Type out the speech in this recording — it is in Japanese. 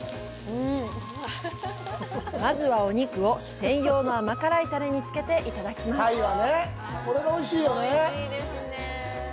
まずは、お肉を専用の甘辛いタレにつけていただきます。